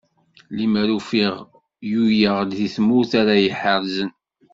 Limer ufiɣ luleɣ-d deg tmurt ara yi-ḥerzen.